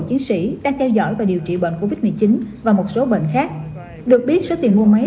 chiến sĩ đang theo dõi và điều trị bệnh covid một mươi chín và một số bệnh khác được biết số tiền mua máy